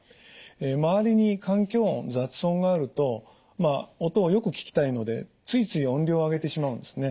周りに環境音雑音があるとまあ音をよく聞きたいのでついつい音量を上げてしまうんですね。